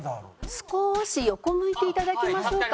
少し横向いていただきましょうか。